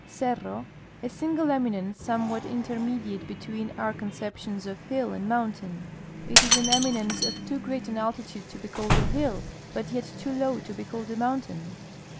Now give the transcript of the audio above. Cerro. — A single eminence, somewhat intermediate between our con ceptions of hill and mountain. It is an eminence of too great an altitude to be called a hill, but yet too low to be called a mountain.